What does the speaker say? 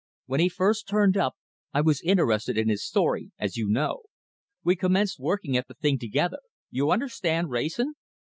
"When he first turned up, I was interested in his story, as you know. We commenced working at the thing together. You understand, Wrayson?"